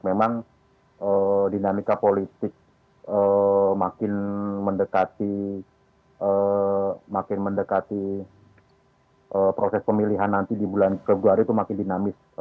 memang dinamika politik makin mendekati proses pemilihan nanti di bulan ke dua hari itu makin dinamis